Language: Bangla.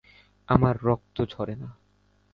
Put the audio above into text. আমার রক্ত ঝরে না।